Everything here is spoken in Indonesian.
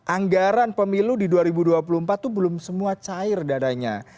anggaran pemilu di dua ribu dua puluh empat itu belum semua cair dadanya